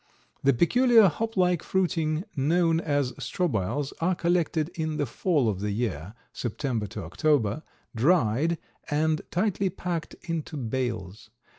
The peculiar hop like fruiting known as strobiles are collected in the fall of the year (September to October), dried and tightly packed into bales.